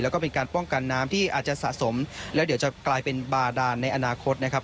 แล้วก็เป็นการป้องกันน้ำที่อาจจะสะสมแล้วเดี๋ยวจะกลายเป็นบาดานในอนาคตนะครับ